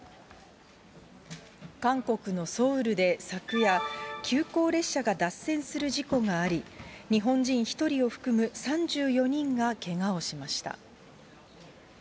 韓国のソウルで昨夜、急行列車が脱線する事故があり、日本人１人を含む３４人がけがをしました。